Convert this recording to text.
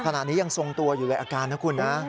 ขณะนี้ยังทรงตัวอยู่ในอาการนะคุณนะ